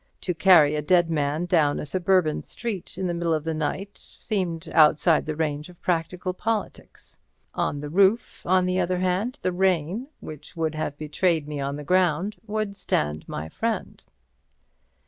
To carry a dead man down a suburban street in the middle of the night seemed outside the range of practical politics. On the roof, on the other hand, the rain, which would have betrayed me on the ground, would stand my friend.